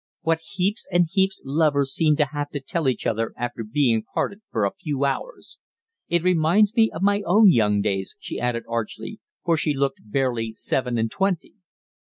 "What heaps and heaps lovers seem to have to tell each other after being parted for a few hours. It reminds me of my own young days," she added archly, for she looked barely seven and twenty. "Mr.